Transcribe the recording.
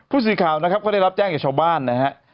พูดสิทธิ์ข่าวนะครับก็ได้รับแจ้งจากชาวบ้านนะครับ